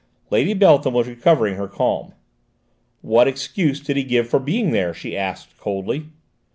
Lady Beltham was recovering her calm. "What excuse did he give for being there?" she asked coldly.